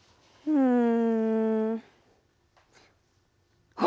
うん。